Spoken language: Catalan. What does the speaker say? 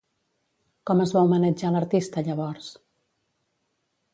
Com es va homenatjar l'artista llavors?